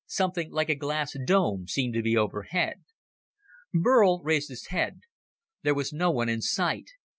Something like a glass dome seemed to be overhead. Burl raised his head. There was no one in sight.